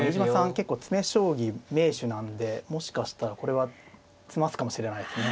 結構詰め将棋名手なんでもしかしたらこれは詰ますかもしれないですね。